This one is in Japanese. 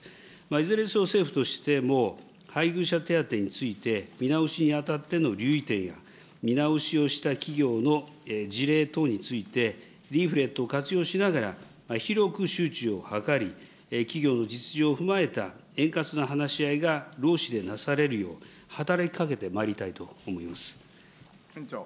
いずれにせよ、政府としても配偶者手当について、見直しにあたっての留意点や、見直しをした企業の事例等について、リーフレットを活用しながら、広く周知を図り、企業の実情を踏まえた円滑な話し合いが労使でなされるよう、働きかけてまいりたいと思います。